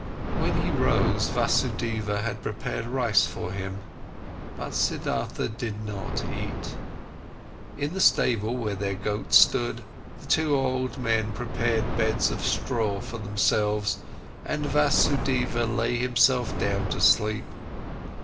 When he rose, Vasudeva had prepared rice for him. But Siddhartha did not eat. In the stable, where their goat stood, the two old men prepared beds of straw for themselves, and Vasudeva lay himself down to sleep.